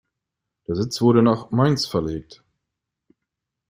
Der Sitz wurde nach Mainz verlegt.